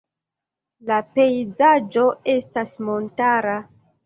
La pejzaĝo estas montara.